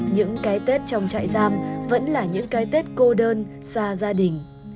những cái tết trong trại giam vẫn là những cái tết cô đơn xa gia đình